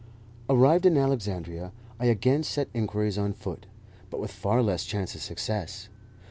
Arrived in Alexandria, I again set inquiries on foot, but with far less chance of success.